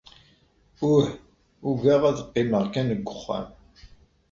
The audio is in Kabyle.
Uh, ugaɣ ad qqimeɣ kan deg wexxam.